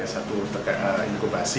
satu terkait inkubasi